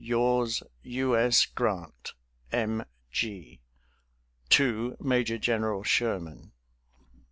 "Yours, "U. S. GRANT, M. G. "TO MAJOR GENERAL SHERMAN."